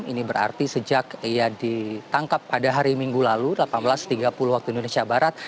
ini berarti sejak ia ditangkap pada hari minggu lalu delapan belas tiga puluh waktu indonesia barat